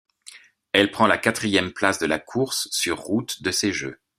Elle prend la quatrième place de la course sur route de ces Jeux.